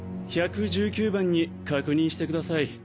１１９番に確認してください。